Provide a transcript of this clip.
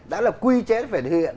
đã là quy chế là phải thực hiện